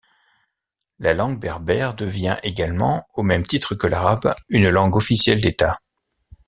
La langue berbère devient également, au même titre que l'arabe, une langue officielle d'État.